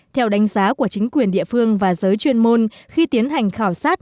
theo đánh giá của chính quyền địa phương và giới chuyên môn khi tiến hành khảo sát